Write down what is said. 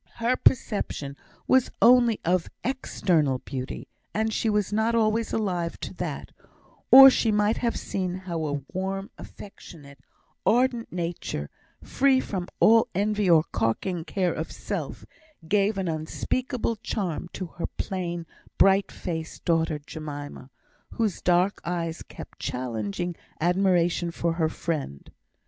Her perception was only of external beauty, and she was not always alive to that, or she might have seen how a warm, affectionate, ardent nature, free from all envy or carking care of self, gave an unspeakable charm to her plain, bright faced daughter Jemima, whose dark eyes kept challenging admiration for her friend.